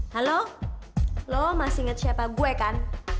halo lo masih ingat siapa gue kan